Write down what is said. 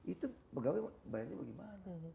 itu pegawai bayarnya bagaimana